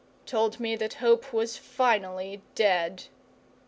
told me that hope was finally dead.